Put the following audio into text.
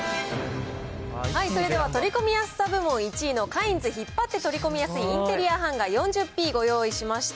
それでは取り込みやすさ部門１位のカインズ引っ張って取り込みやすいインテリアハンガー４０Ｐご用意しました。